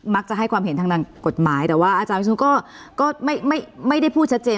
จะให้ความเห็นทางกฎหมายแต่ว่าอาจารย์วิศนุก็ไม่ได้พูดชัดเจน